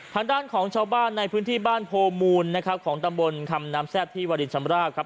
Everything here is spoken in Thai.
ทางด้านของชาวบ้านในพื้นที่บ้านโพมูลนะครับของตำบลคำน้ำแซ่บที่วรินชำราบครับ